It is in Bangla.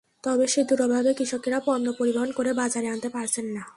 তবে সেতুর অভাবে কৃষকেরা পণ্য পরিবহন করে বাজারে আনতে পারছেন না।